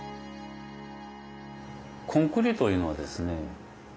コンクリートいうのはですね